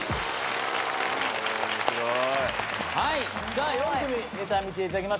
はいさあ４組ネタ見ていただきました。